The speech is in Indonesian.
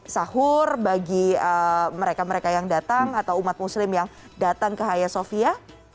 sahur bagi mereka mereka yang datang atau umat muslim yang datang ke haya sofia